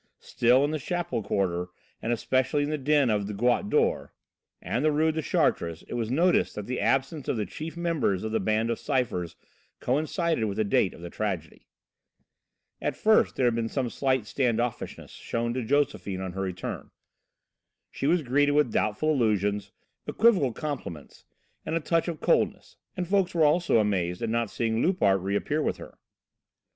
Still, in the Chapelle quarter, and especially in the den of the "Goutte d'Or" and the Rue de Chartres, it was noticed that the absence of the chief members of the Band of Cyphers coincided with the date of the tragedy. At first there had been some slight stand offishness shown to Josephine on her return. She was greeted with doubtful allusions, equivocal compliments, with a touch of coldness, and folks were also amazed at not seeing Loupart reappear with her.